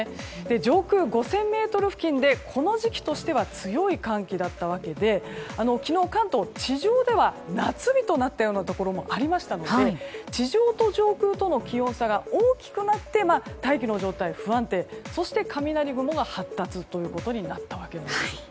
上空５０００ｍ付近でこの時期としては強い寒気だったわけで昨日関東、地上では夏日となったようなところもありましたので地上と上空との気温差が大きくなって、大気の状態が不安定、そして、雷雲が発達ということになったわけです。